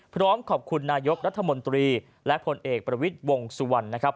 พร้อมขอบคุณนายกรัฐมนตรีและผลเอกประวิทย์วงสุวรรณนะครับ